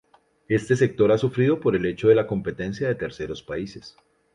Este sector ha sufrido por el hecho de la competencia de terceros países.